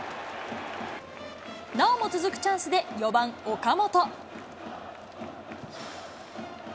なおも続くチャンスで、４番岡本。